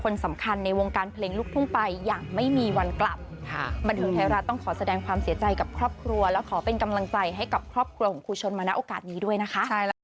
คนสำคัญในวงการเพลงลูกทุ่งไปอย่างไม่มีวันกลับบันเทิงไทยรัฐต้องขอแสดงความเสียใจกับครอบครัวแล้วขอเป็นกำลังใจให้กับครอบครัวของครูชนมาณโอกาสนี้ด้วยนะคะ